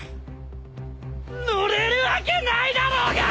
乗れるわけないだろうが！！